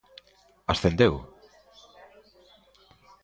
¡Ascendeu!